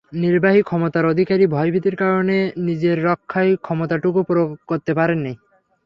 নির্বাহী ক্ষমতার অধিকারী ভয়ভীতির কারণে নিজের রক্ষায় ক্ষমতাটুকুও প্রয়োগ করতে পারেননি।